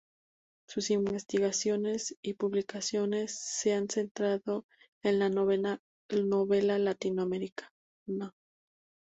Sus investigaciones y publicaciones se han centrado en la novela latinoamericana.